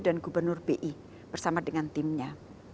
dan gubernur bi bersama dengan timnya